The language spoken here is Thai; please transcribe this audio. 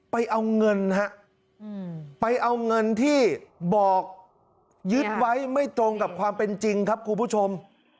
ไปเอาเงินฮะไปเอาเงินที่บอกยึดไว้ไม่ตรงกับความเป็นจริงครับคุณผู้ชม